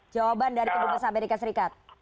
jawaban dari kedubes amerika serikat